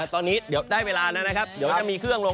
ตอนนี้เดี๋ยวได้เวลาแล้วนะครับเดี๋ยวจะมีเครื่องลง